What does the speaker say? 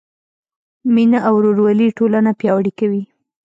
مینه او ورورولي ټولنه پیاوړې کوي.